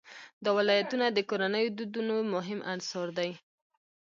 دا ولایتونه د کورنیو د دودونو مهم عنصر دی.